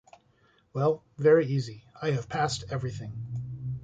Well, very easy: I have passed everything.